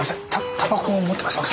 タバコ持ってませんか？